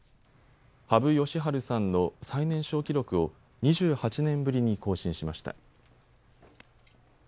羽生善治さんの最年少記録を２８年ぶりに更新しました。